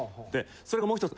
それがもう１つ。